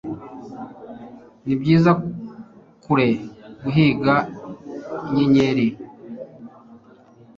Nibyiza kure guhiga inyenyeri